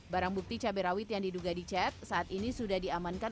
barang bukti cabai rawit yang diduga dicet saat ini sudah diamankan